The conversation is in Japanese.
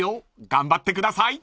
［頑張ってください］